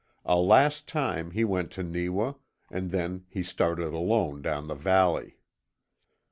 A last time he went to Neewa, and then he started alone down into the valley.